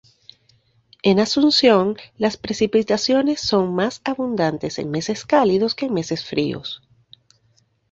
En Asunción las precipitaciones son más abundantes en meses cálidos que en meses fríos.